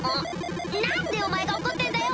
何でお前が怒ってんだよ！